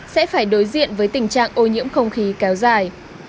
sẽ phải đối diện với tình trạng ô nhiễm không khí kéo dài